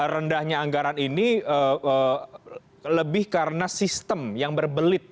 rendahnya anggaran ini lebih karena sistem yang berbelit